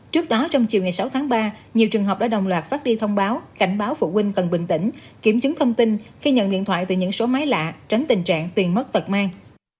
trước đó trong chiều ngày sáu tháng ba nhiều trường học đã đồng loạt phát đi thông báo cảnh báo phụ huynh cần bình tĩnh kiểm chứng thông tin khi nhận điện thoại từ những số máy lạ tránh tình trạng tiền mất tật mang